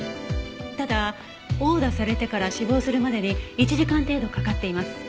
ただ殴打されてから死亡するまでに１時間程度かかっています。